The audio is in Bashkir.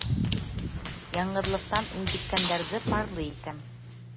Яңғыҙлыҡтан интеккәндәрҙе парлы итәм.